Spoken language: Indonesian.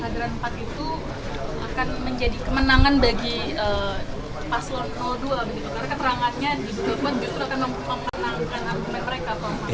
karena keterangannya di bidang empat justru akan memperkenalkan argument mereka